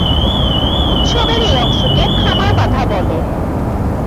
উৎসবের এই অংশকে খামার বাঁধা বলে।